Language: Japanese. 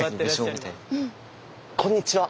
おこんにちは！